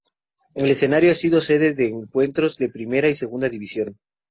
El escenario ha sido sede de encuentros de Primera y Segunda División.